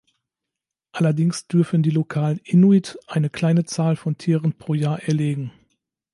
Allerdings dürfen die lokalen Inuit eine kleine Zahl von Tieren pro Jahr erlegen.